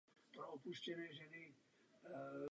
Nejbližší rodina o jejím autorství věděla.